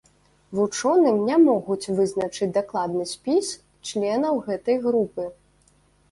Вучоным не могуць вызначыць дакладны спіс членаў гэтай групы.